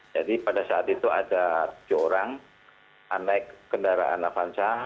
jadi pada saat itu ada tiga orang naik kendaraan avansah